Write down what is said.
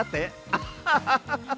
アッハハハハ！